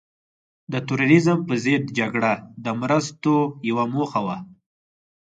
د تروریزم په ضد جګړه د مرستو یوه موخه وه.